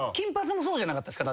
そうじゃなかったっすか？